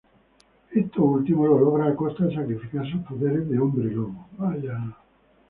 Esto último lo logra a costa de sacrificar sus poderes de hombre lobo.